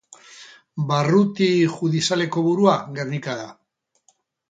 Barruti judizialeko burua Gernika da.